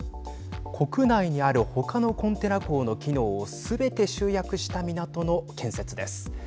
国内にあるほかのコンテナ港の機能をすべて集約した港の建設です。